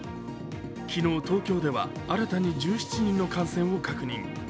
昨日、東京では新たに１７人の感染を確認。